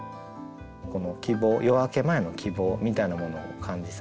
この夜明け前の希望みたいなものを感じさせる。